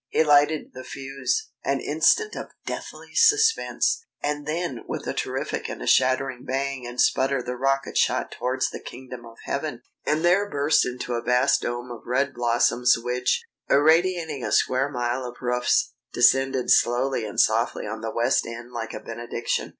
He lighted the fuse.... An instant of deathly suspense! ... And then with a terrific and a shattering bang and splutter the rocket shot towards the kingdom of heaven, and there burst into a vast dome of red blossoms which, irradiating a square mile of roofs, descended slowly and softly on the West End like a benediction.